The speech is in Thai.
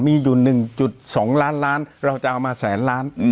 มีอยู่๑๒ล้านล้านเราจะเอามาแสนล้าน